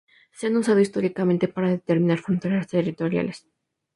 Se han usado históricamente para determinar fronteras territoriales.